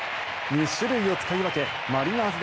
２種類を使い分けマリナーズ